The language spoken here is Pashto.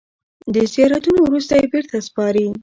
د زیارتونو وروسته یې بېرته سپاري.